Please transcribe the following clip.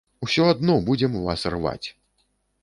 Усё адно будзем вас рваць!